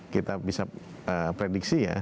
kita bisa prediksi ya